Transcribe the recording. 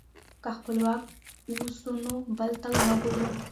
که خپلواک اوسو نو بل ته نه ګورو.